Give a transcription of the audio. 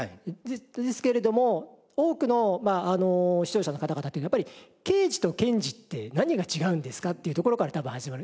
ですけれども多くの視聴者の方々っていうのはやっぱり「刑事と検事って何が違うんですか？」っていうところから多分始まる。